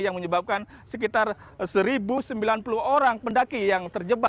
yang menyebabkan sekitar satu sembilan puluh orang pendaki yang terjebak